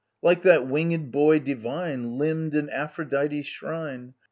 Like that winged Boy divine, Limned in Aphrodite's shrine